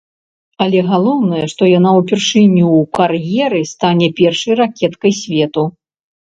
Але галоўнае, што яна ўпершыню ў кар'еры стане першай ракеткай свету.